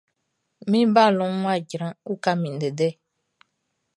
Min balɔnʼn wʼa jran, uka min ndɛndɛ!